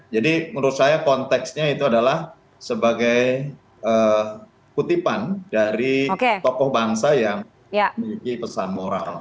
jadi menurut saya konteksnya itu adalah sebagai kutipan dari tokoh bangsa yang memiliki pesan moral